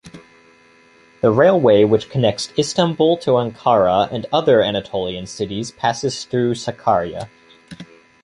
The railway which connects Istanbul to Ankara and other Anatolian cities passes through Sakarya.